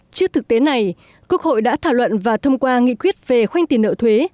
trước thực tế này quốc hội đã thảo luận và thông qua nghị quyết về khoanh tiền nợ thuế